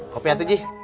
kopi atuh ji